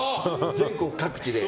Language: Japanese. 全国各地で。